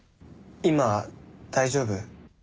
今大丈夫？